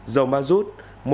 dầu ma rút